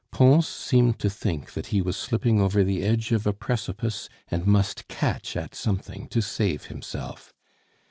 Pons seemed to think that he was slipping over the edge of a precipice and must catch at something to save himself.